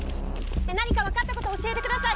何か分かったこと教えてください！